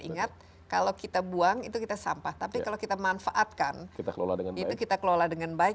ingat kalau kita buang itu kita sampah tapi kalau kita manfaatkan itu kita kelola dengan baik